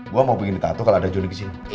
gue mau bikin tato kalau ada jonny di sini